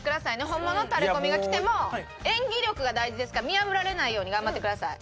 本物のタレコミがきても演技力が大事ですから見破られないように頑張ってください。